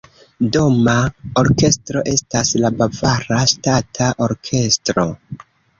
Doma orkestro estas la Bavara Ŝtata Orkestro.